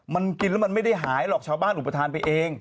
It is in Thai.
มันกินแล้วมันไม่ได้หายหรอกชาวบ้านอุปทานไปเอง